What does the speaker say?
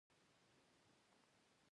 ستا خبره مې ومنله.